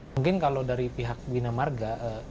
mungkin kalau dari pihak binamarga